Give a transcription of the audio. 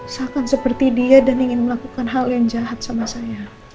seakan seperti dia dan ingin melakukan hal yang jahat sama saya